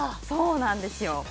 そうなんですよ。